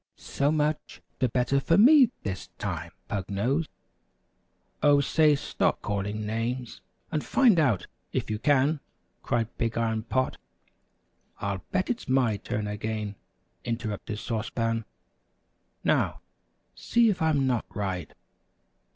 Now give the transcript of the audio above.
"So much the better for me this time, Pug Nose." "Oh, say, stop calling names, and find out if you can," cried Big Iron Pot. "I'll bet it's my turn again!" interrupted Sauce Pan. "Now, see if I'm not right."